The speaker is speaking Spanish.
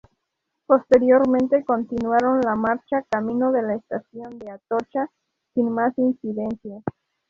Posteriormente continuaron la marcha camino de la estación de Atocha sin más incidencias.